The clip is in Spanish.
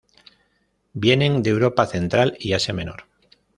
Vienen de Europa Central y Asia Menor.